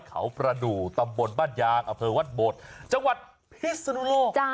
เขาประดูกตำบลบ้านยางอเภอวัดโบดจังหวัดพิศนุโลก